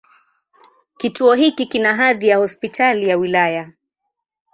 Kituo hiki kina hadhi ya Hospitali ya wilaya.